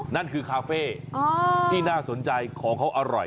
นั่นคือคาเฟ่ที่น่าสนใจของเขาอร่อย